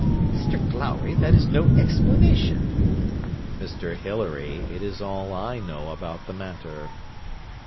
'Mr Glowry, that is no explanation.' 'Mr Hilary, it is all I know about the matter.'